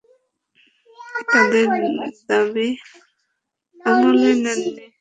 তাদের দাবী আমলে নেননি।